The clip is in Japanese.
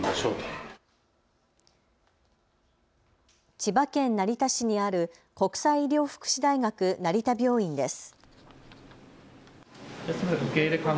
千葉県成田市にある国際医療福祉大学成田病院です。